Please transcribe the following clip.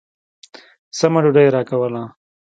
سمه ډوډۍ يې راکوله.